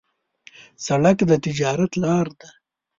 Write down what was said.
سړک د تجارت لار ده.